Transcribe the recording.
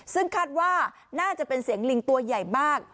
ซึ่งคาดว่าน่าจะเป็นเสียงลิงตัวใหญ่มาก